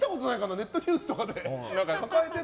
ネットニュースとかで。